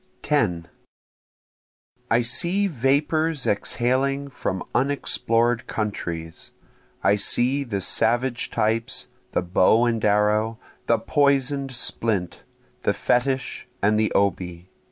10 I see vapors exhaling from unexplored countries, I see the savage types, the bow and arrow, the poison'd splint, the fetich, and the obi.